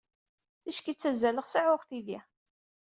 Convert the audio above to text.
Ticki ttazzaleɣ, seɛɛuɣ tidi.